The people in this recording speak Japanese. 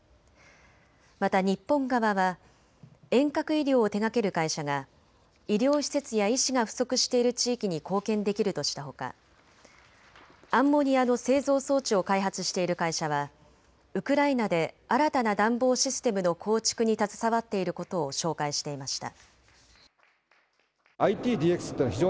また日本側は遠隔医療を手がける会社が医療施設や医師が不足している地域に貢献できるとしたほか、アンモニアの製造装置を開発している会社はウクライナで新たな暖房システムの構築に携わっていることを紹介していました。